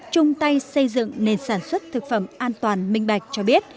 trung tây xây dựng nền sản xuất thực phẩm an toàn minh bạch cho biết